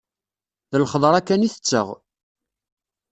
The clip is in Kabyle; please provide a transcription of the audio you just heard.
D lxeḍra kan i tetteɣ.